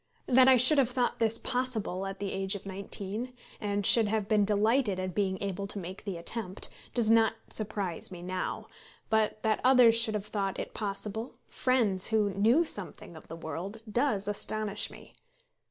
That I should have thought this possible at the age of nineteen, and should have been delighted at being able to make the attempt, does not surprise me now; but that others should have thought it possible, friends who knew something of the world, does astonish me.